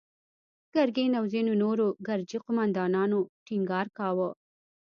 ګرګين او ځينو نورو ګرجي قوماندانانو ټينګار کاوه.